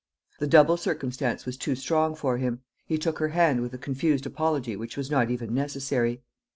The double circumstance was too strong for him; he took her hand with a confused apology which was not even necessary.